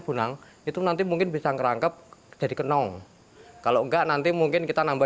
bunang itu nanti mungkin bisa ngerangkep jadi kenong kalau enggak nanti mungkin kita nambah